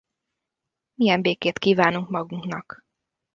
Milyen békét kívánunk magunknak?